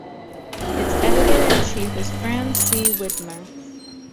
Its editor-in-chief is Franz C. Widmer.